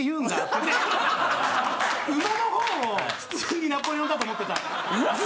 馬の方を普通にナポレオンだと思ってた。